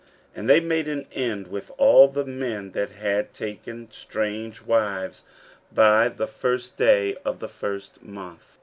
15:010:017 And they made an end with all the men that had taken strange wives by the first day of the first month.